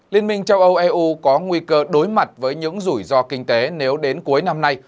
liên minh châu âu eu có nguy cơ đối mặt với những rủi ro kinh tế nếu đến cuối năm nay